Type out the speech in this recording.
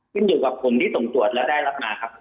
ขึ้นอยู่กับผมที่ส่งตรวจแล้วได้รับมาครับ